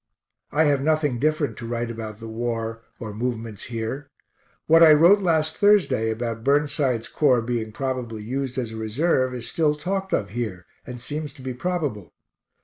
I have nothing different to write about the war, or movements here. What I wrote last Thursday, about Burnside's Corps being probably used as a reserve, is still talked of here, and seems to be probable.